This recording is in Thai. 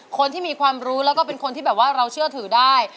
คนที่มีความรู้และเป็นคนที่เราเชื่อถือได้